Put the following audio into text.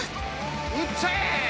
「打っちゃえ！」。